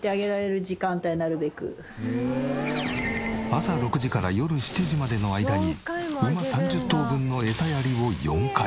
朝６時から夜７時までの間に馬３０頭分のエサやりを４回。